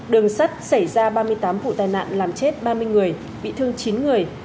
đường sắt xảy ra ba mươi tám vụ tai nạn làm chết ba mươi người bị thương chín người